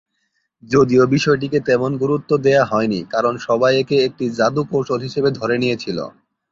যদিও বিষয়টিকে তেমন গুরুত্ব দেয়া হয়নি কারণ সবাই একে একটি জাদু কৌশল হিসেবে ধরে নিয়েছিল।